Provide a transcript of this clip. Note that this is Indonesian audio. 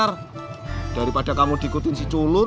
hai daripada kamu diikutin si colun